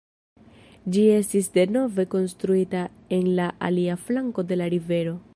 Ĝi estis denove konstruita en la alia flanko de la rivero.